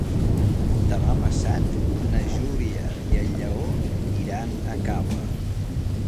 Demà passat na Júlia i en Lleó iran a Cava.